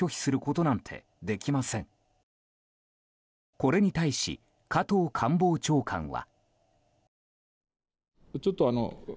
これに対し、加藤官房長官は。